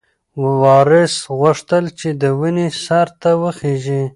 وارث غوښتل چې د ونې سر ته وخیژي.